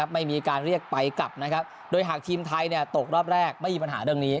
ไม่มีการเรียกไปกลับนะครับโดยหากทีมไทยตกรอบแรกไม่มีปัญหาเรื่องนี้